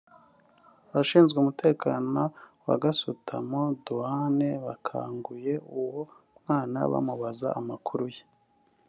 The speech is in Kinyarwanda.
Abashinzwe umutekano wa Gasutamo (Douanes) bakanguye uwo mwana bamubaza amakuru ye